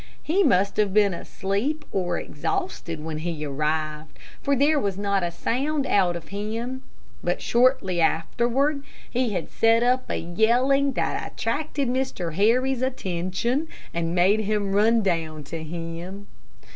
He must have been asleep or exhausted when we arrived, for there was not a sound out of him, but shortly afterward he had set up a yelling that attracted Mr. Harry's attention, and made him run down to him.